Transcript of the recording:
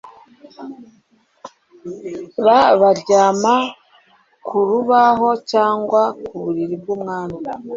B Baryama ku rubaho cyangwa ku buriri bw'umwami